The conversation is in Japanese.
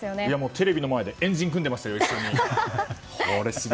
テレビの前で円陣組んでましたよ、一緒に。